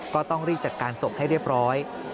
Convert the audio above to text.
ก็ต้องรีบจัดการศพให้เรียบร้อย